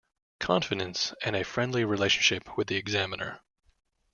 Confidence and a friendly relationship with the examiner.